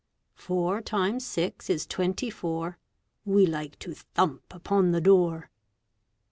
Four times six is twenty four. We like to thump upon the door.